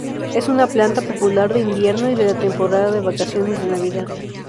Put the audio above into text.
Es una planta popular de invierno y de la temporada de vacaciones de Navidad.